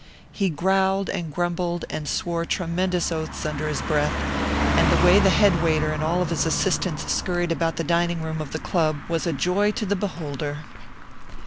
He growled and grumbled, and swore tremendous oaths under his breath, and the way the headwaiter and all his assistants scurried about the dining room of the Club was a joy to the beholder.